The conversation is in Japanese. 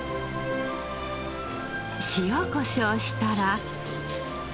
塩コショウしたら。